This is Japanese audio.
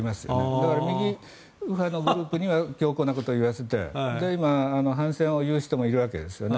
だから右、右派のグループには強硬なことを言わせて今、反戦を言う人もいるわけですね。